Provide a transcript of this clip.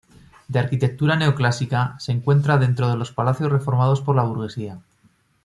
De arquitectura neoclásica, se encuentra dentro de los palacios reformados por la Burguesía.